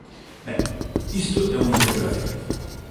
Ben, isto é unha interpelación.